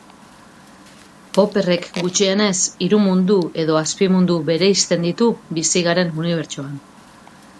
Popperrek gutxienez hiru mundu edo azpimundu bereizten ditu bizi garen unibertsoan.